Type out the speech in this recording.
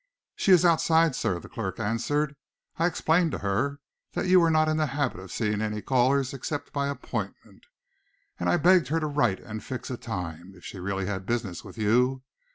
"She is outside, sir," the clerk answered. "I explained to her that you were not in the habit of seeing any callers except by appointment, and I begged her to write and fix a time, if she really had business with you.